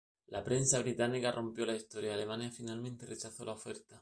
La prensa británica rompió la historia y Alemania finalmente rechazó la oferta.